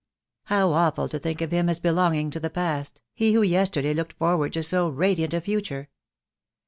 How awful to think of him as beloncnns; to the past, he who yesterday looked forward to so radiant a future.